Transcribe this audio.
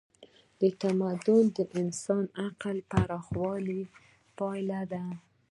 تمدن د انساني عقل د پراخوالي پایله ده.